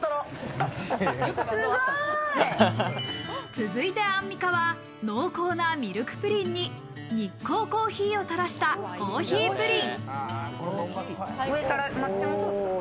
続いて、アンミカは、濃厚なミルクプリンに日光珈琲を垂らしたコーヒープリン。